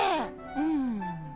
うん。